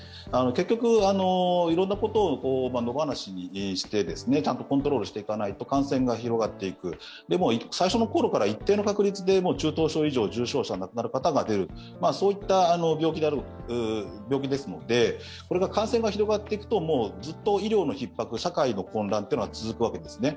結局、いろんなことを野放しにしてちゃんとコントロールしていかないと広がっていく、最初のころから一定の確率で中等症以上、重症者は亡くなる可能性があるそういった病気ですので、感染が広がっていくとずっと医療のひっ迫、社会の混乱は続くわけですね。